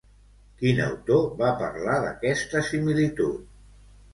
Quin autor va parlar d'aquesta similitud?